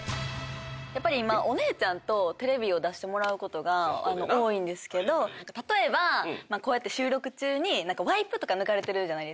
やっぱりお姉ちゃんとテレビを出してもらうことが多いんですけど例えばこうやって収録中にワイプとか抜かれてるじゃない。